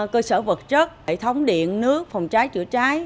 cơ sở vật chất hệ thống điện nước phòng trái chữa trái